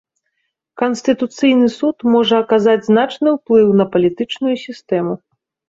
Канстытуцыйны суд можа аказаць значны ўплыў на палітычную сістэму.